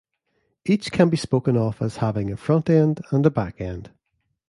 Each can be spoken of as having a front end and a back end.